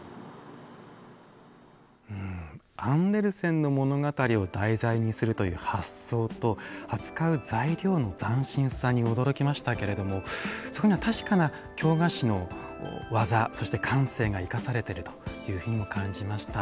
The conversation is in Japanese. アンデルセンの物語を題材にするという発想と扱う材料の斬新さに驚きましたけれどもそこには確かな京菓子の技そして感性が生かされているというふうにも感じました。